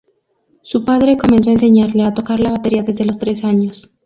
Su padre comenzó a enseñarle a tocar la batería desde los tres años.